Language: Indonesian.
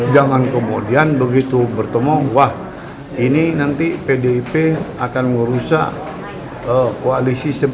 jangan kemudian begitu bertemu wah ini nanti pdip akan merusak koalisi